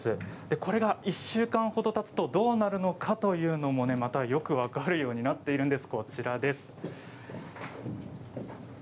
これが１週間ほどたつとどうなるのかまたよく分かるようになっているんです。